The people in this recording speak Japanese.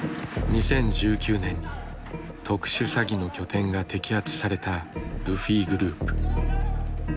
２０１９年に特殊詐欺の拠点が摘発されたルフィグループ。